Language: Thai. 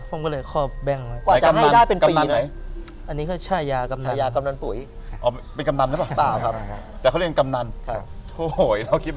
ผมก็เลยค่อแบ่งไว้